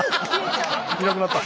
いなくなった。